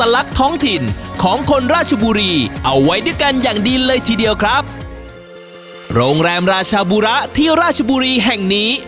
โรงแรมราชาบุระที่ราชบุรีแห่งนี้